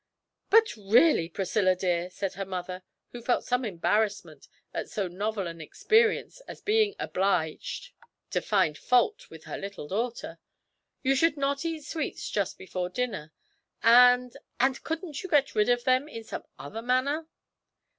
'But really, Priscilla, dear,' said her mother, who felt some embarrassment at so novel an experience as being obliged to find fault with her little daughter, 'you should not eat sweets just before dinner, and and couldn't you get rid of them in some other manner?'